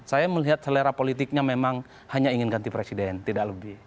saya melihat selera politiknya memang hanya ingin ganti presiden tidak lebih